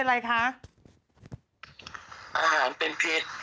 อาหารเป็นพิษ